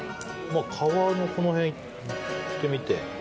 皮の、この辺いってみて。